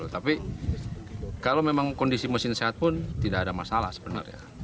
tapi kalau memang kondisi mesin sehat pun tidak ada masalah sebenarnya